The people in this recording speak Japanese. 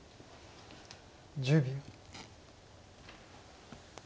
１０秒。